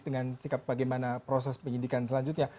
dengan sikap bagaimana proses penyidikan selanjutnya